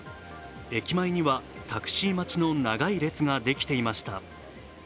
駅前にはタクシー待ちの長い列ができていました。